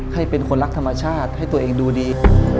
ให้เป็นคนรักธรรมชาติให้ตัวเองดูดี